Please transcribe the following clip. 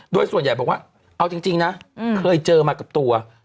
โดยส่วนใหญ่บอกว่าเอาจริงนะเคยเจอมากับตัว